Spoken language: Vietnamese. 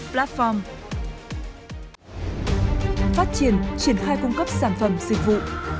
phát triển triển khai cung cấp sản phẩm dịch vụ